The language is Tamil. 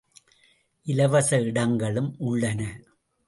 இலவச இடங்களும் உள்ளன.